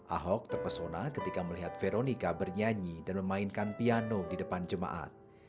ahok terpesona ketika melihat veronica bernyanyi dan memainkan piano di depan jemaat